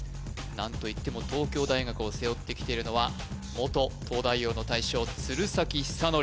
何といっても東京大学を背負ってきているのは元東大王の大将鶴崎修功